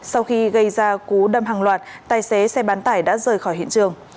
sau khi gây ra cú đâm hàng loạt tài xế xe bán tải đã rời khỏi hiện trường